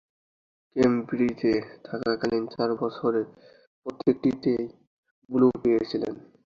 কেমব্রিজে থাকাকালীন চার বছরের প্রত্যেকটিতেই ব্লু পেয়েছিলেন।